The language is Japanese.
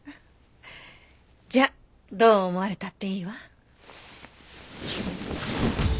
じゃあどう思われたっていいわ。